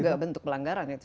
itu juga bentuk pelanggaran ya